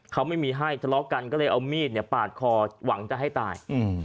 เขาไม่มีให้ทะเลาะกันก็เลยเอามีดปาดคอหวังจะให้ตาย